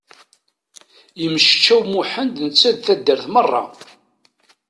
Yemceččaw Muḥend netta d taddart merra!